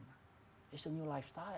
ini adalah gaya hidup baru